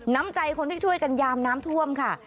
น้ำใจคนที่ช่วยกันยามน้ำท่วมค่ะ